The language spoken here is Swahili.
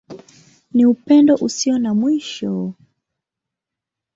Ni Upendo Usio na Mwisho.